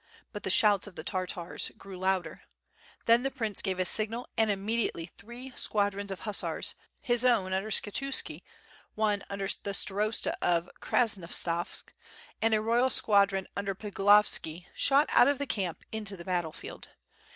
But the shouts of the Tartars grew louder. Then the prince gave a signal and immediately three squadrons of hussars, his own under Skshetuski, one under the Staxosta of Krasnostavsk, and a royal squadron under Piglovski shot out of the camp into the battle field.